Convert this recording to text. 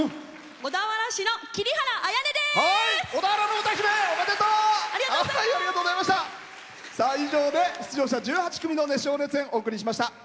小田原市の以上で出場者１８組の熱唱・熱演お送りしました。